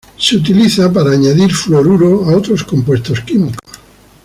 Se utiliza para añadir fluoruro a otros compuestos químicos.